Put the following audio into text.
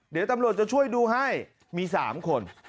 เดี๋ยวตำรวจจะช่วยดูให้มี๓คน